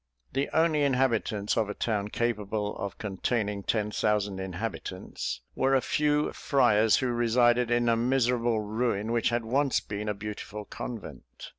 The only inhabitants of a town capable of containing ten thousand inhabitants, were a few friars who resided in a miserable ruin which had once been a beautiful convent.